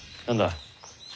何だ？